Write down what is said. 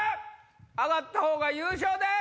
上がった方が優勝です。